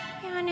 gak ada apa apa